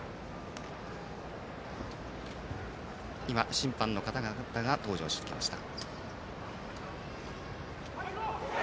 審判の方々が登場してきました。